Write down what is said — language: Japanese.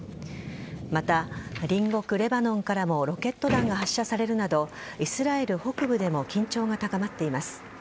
また、隣国・レバノンからもロケット弾が発射されるなどイスラエル北部でも緊張が高まっています。